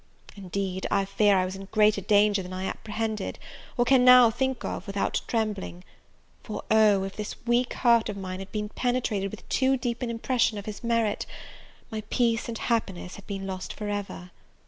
Indeed I fear I was in greater danger than I apprehended, or can now think of without trembling; for, oh, if this weak heart of mine had been penetrated with too deep an impression of his merit, my peace and happiness had been lost for ever.